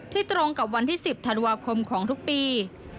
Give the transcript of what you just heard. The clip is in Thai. ตรงกับวันที่๑๐ธันวาคมของทุกปี